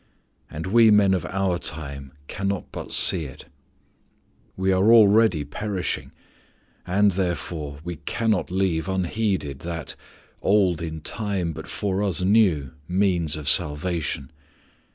And we men of our time cannot but see it. We are already perishing, and, therefore, we cannot leave unheeded that old in time, but for us new means of salvation.